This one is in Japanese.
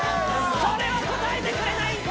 それは応えてくれないんか！